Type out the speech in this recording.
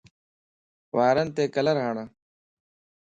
وارنت ڪلر ھڻ